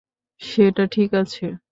সেটা ঠিক আছে।